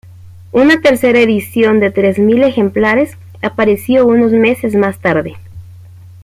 Una tercera edición de tres mil ejemplares apareció unos meses más tarde.